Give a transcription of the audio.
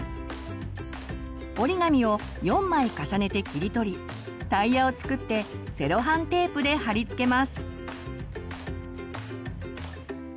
折り紙を４枚重ねて切り取りタイヤを作ってセロハンテープで貼り付けます。